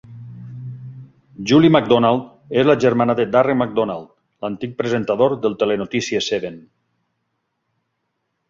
Julie McDonald és la germana de Darren McDonald, l'antic presentador del telenotícies Seven.